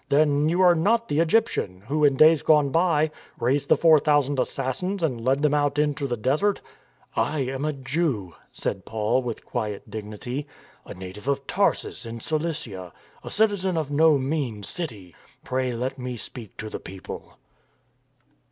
" Then you are not the Egyptian who in days gone by raised the four thousand Assassins and led them out into the desert ?"" I am a Jew," said Paul with quiet dignity, " a native of Tarsus in Cilicia, a citizen of no mean city. Pray let me speak to the people."